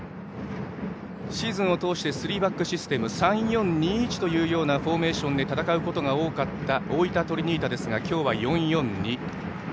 シーズンを通してスリーバックシステム３−４−２−１というフォーメーションで戦うことが多かった大分トリニータですが今日は４−４−２。